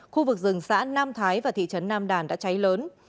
khu vực rừng xã nam thái và thị trấn nam đàn đã cháy lớn